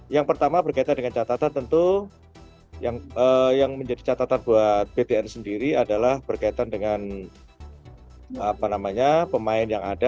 yang pertama berkaitan dengan catatan tentu yang menjadi catatan buat btn sendiri adalah berkaitan dengan pemain yang ada